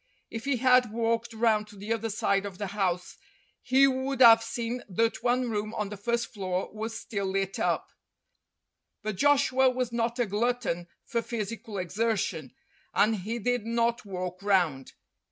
If he had walked round to the other side of the house he would have seen that one room on the first floor was still lit up ; but Joshua was not a glutton for physical exertion, and he did not walk round.